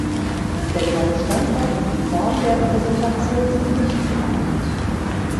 Der genaue Standort und die Form der Präsentation sind nicht bekannt.